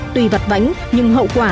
tùy vặt vãnh nhưng hậu quả